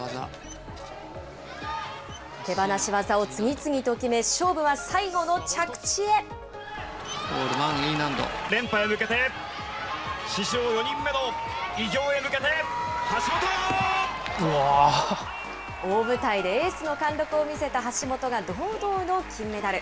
手放し技を次々と決め、勝負連覇へ向けて、史上４人目の偉業へ向けて、大舞台でエースの貫禄を見せた橋本が堂々の金メダル。